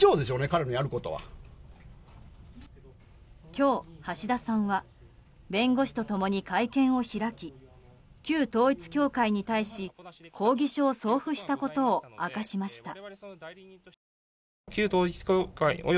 今日、橋田さんは弁護士と共に会見を開き旧統一教会に対し抗議書を送付したことを明かしました。